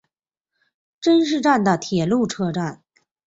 真土站的铁路车站。